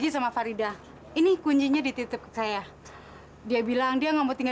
sampai jumpa di video selanjutnya